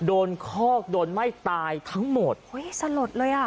คอกโดนไหม้ตายทั้งหมดโอ้ยสลดเลยอ่ะ